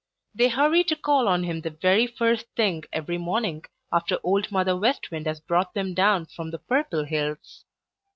They hurry to call on him the very first thing every morning after Old Mother West Wind has brought them down from the Purple Hills.